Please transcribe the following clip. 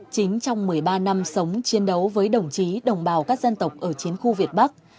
chính trong một mươi ba năm sống chiến đấu với đồng chí đồng bào các dân tộc ở chiến khu việt bắc